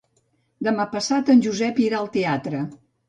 Demà passat en Josep irà al teatre.